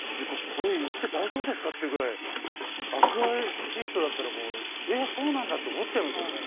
これ言って大丈夫ですかっていうぐらいアクアリストだったらもう「えっそうなんだ」って思っちゃいますよね。